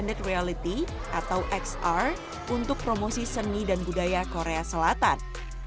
kedua terdiri dari standar realitas atau xr untuk promosi seni dan budaya korea selatan